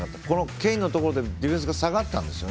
ケインのところでディフェンスが下がったんです。